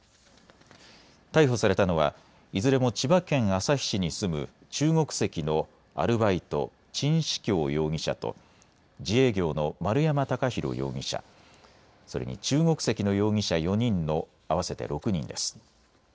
逮捕されたのはいずれも千葉県旭市に住む中国籍のアルバイト、沈志強容疑者と自営業の丸山貴弘容疑者、それに中国籍の容疑者４人の合わせて６人です。